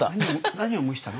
何を蒸したの？